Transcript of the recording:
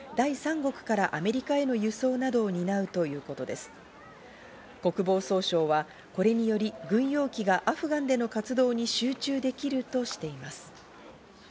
国防総省はこれにより軍用機がアフガンでの活動に集中できるとしています。